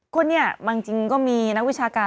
ก็เนี่ยบางทีก็มีนักวิชาการ